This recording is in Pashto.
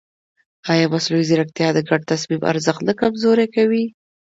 ایا مصنوعي ځیرکتیا د ګډ تصمیم ارزښت نه کمزوری کوي؟